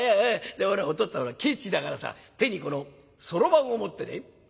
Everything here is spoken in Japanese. でほらお父っつぁんケチだからさ手にこのそろばんを持ってね